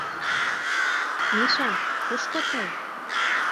— Миша, кушко тый?